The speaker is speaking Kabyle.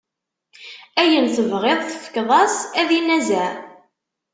Ayen tebɣiḍ tefkeḍ-as, ad inazeɛ.